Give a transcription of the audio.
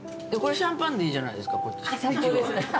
シャンパンでいいじゃない。